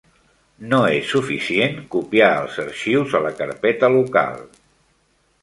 No és suficient copiar els arxius a la carpeta local.